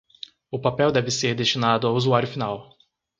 O papel deve ser destinado ao usuário final.